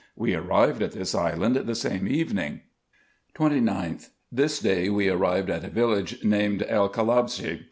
We arrived at this island the same evening. 29th. This day we arrived at a village named El Kalabshe.